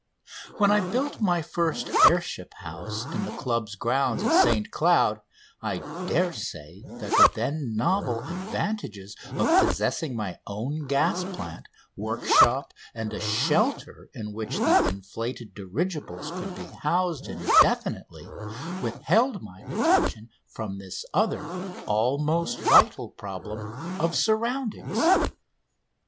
When I built my first air ship house in the Club's grounds at St Cloud I dare say that the then novel advantages of possessing my own gas plant, workshop, and a shelter in which the inflated dirigibles could be housed indefinitely withheld my attention from this other almost vital problem of surroundings.